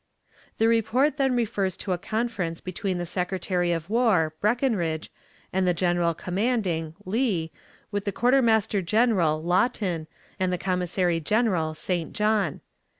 The report then refers to a conference between the Secretary of War (Breckinridge) and the General commanding (Lee) with the Quartermaster General (Lawton) and the Commissary General (St. John).